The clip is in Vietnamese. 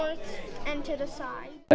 cảm ơn các bạn